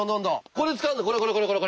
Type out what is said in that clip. これ使うのこれこれこれこれ。